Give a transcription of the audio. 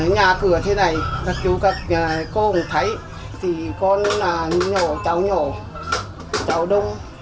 nhà cửa thế này các chú các cô không thấy thì con nhỏ cháu nhỏ cháu đông